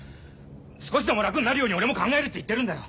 少しでも楽になるように俺も考えるって言ってるんだよ！